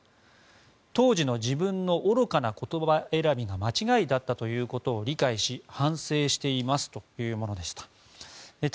当時の自分の愚かな言葉選びが間違いだったということを理解し反省していますというものでした。